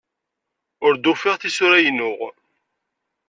Ur d-ufiɣ tisura-inu.